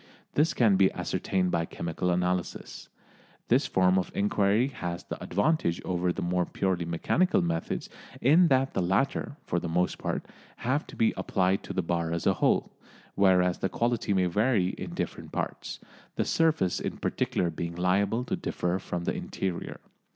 This can be ascertained by chemical analysis. This form of inquiry has the advantage over the more purely mechanical methods in that the latter, for the most part, have to be applied to the bar as a whole, whereas the quality may vary in different parts, the surface in particular being liable to differ from the interior.